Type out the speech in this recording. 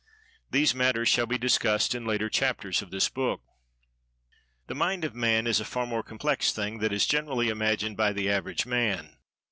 These matters shall be discussed in later chapters of this book.[Pg 205] The Mind of Man is a far more complex thing that is generally imagined by the average man.